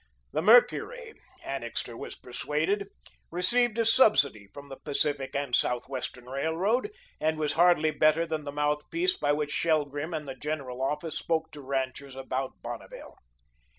The "Mercury," Annixter was persuaded, received a subsidy from the Pacific and Southwestern Railroad, and was hardly better than the mouthpiece by which Shelgrim and the General Office spoke to ranchers about Bonneville.